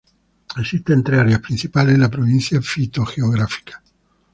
Existen tres áreas principales en la provincia fitogeográfica.